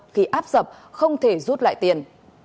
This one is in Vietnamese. khi app dập không thể rút lại tiền